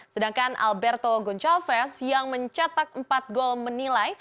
sedangkan alberto goncalves yang mencetak empat gol menilai